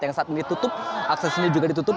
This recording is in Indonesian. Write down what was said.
yang saat ini tutup aksesnya juga ditutup